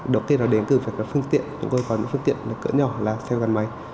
đầu tiên là đến từ phương tiện chúng tôi có những phương tiện cỡ nhỏ là xe văn máy